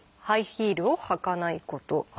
ハイヒールを履かないこと。